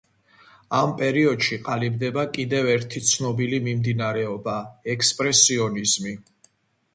ამ პერიოდში ყალიბდება კიდევ ერთი ცნობილი მიმდინარეობა ექსპრესიონიზმი.